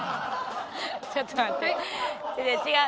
ちょっと待って違う。